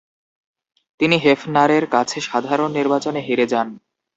তিনি হেফনারের কাছে সাধারণ নির্বাচনে হেরে যান।